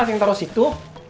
acing taruh situ